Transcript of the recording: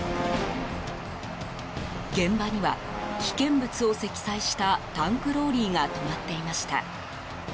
現場には、危険物を積載したタンクローリーが止まっていました。